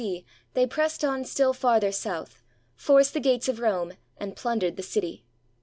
C. they pressed on still farther south, forced the gates of Rome, and plundered the city.